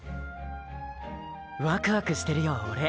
ワクワクしてるよオレ。